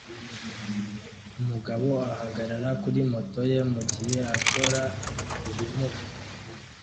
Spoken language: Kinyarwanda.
Umugabo ahagarara kuri moto ye mugihe akora ibimuga